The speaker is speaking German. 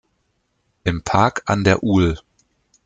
Im Park an der ul.